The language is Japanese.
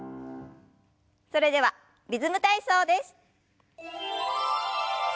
それでは「リズム体操」です。